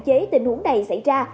khi hạn chế tình huống này xảy ra